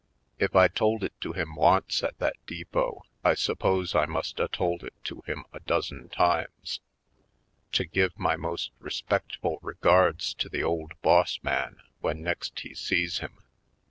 If I told it to him once at that depot I suppose I must a told it to him a dozen times, to give my most respectful regards to the old boss man when next he sees him.